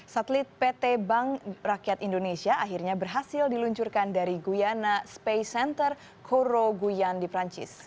satelit pt bank rakyat indonesia akhirnya berhasil diluncurkan dari guyana space center coro guyana di perancis